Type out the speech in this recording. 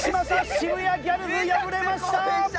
渋谷ギャルズ敗れました！